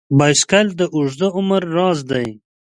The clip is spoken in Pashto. بایسکل د اوږده عمر راز دی.